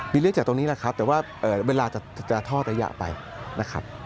มีเรื่องจากตรงนี้แหละครับแต่ว่าเวลาจะทอดระยะไปนะครับ